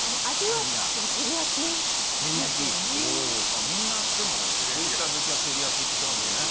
まあみんなでもツイスター好きはてりやきって言ってますよね。